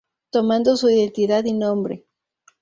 Tomando su identidad y nombre.